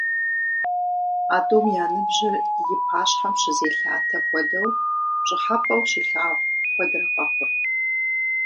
А тӏум я ныбжьыр и пащхьэм щызелъатэ хуэдэу, пщӏыхьэпӏэу щилъагъу куэдрэ къэхъурт.